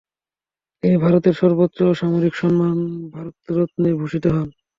তিনি ভারতের সর্বোচ্চ অসামরিক সম্মান ভারতরত্নে ভূষিত হন।